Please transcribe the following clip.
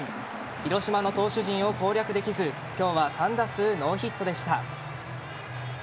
広島の投手陣を攻略できず今日は３打数ノーヒットでした。